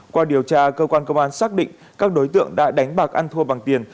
qua điều tra cơ quan công an xác định các đối tượng đã đánh bạc ăn thua bằng tiền